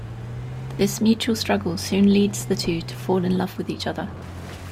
This mutual struggle soon leads the two to fall in love with each other.